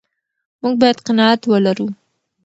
موږ باید قناعت ولرو.